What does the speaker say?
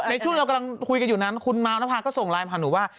ในช่วงเรากำลังคุยกันอยู่นั้นคุณมาวนภาก็ส่งไลน์มาหาหนูว่า